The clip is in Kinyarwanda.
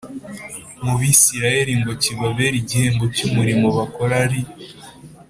mu Bisirayeli ngo kibabere igihembo cy umurimo bakora ari